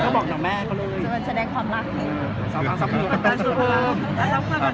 ซับตาซับตา